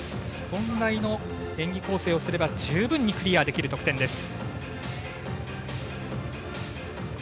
本来の演技構成をすれば十分にクリアできる得点です。